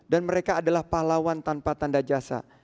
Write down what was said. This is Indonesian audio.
dan mereka adalah pahlawan tanpa tanda jasa